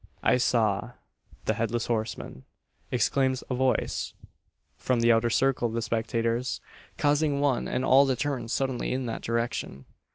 "I saw " "The Headless Horseman!" exclaims a voice from the outer circle of the spectators, causing one and all to turn suddenly in that direction.